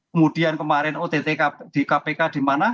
kemudian kemarin ott di kpk di mana